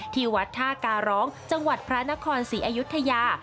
ที่วัดท่าการร้องจังหวัดพระนครศรีอยุธยา